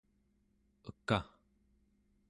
ekaᵉ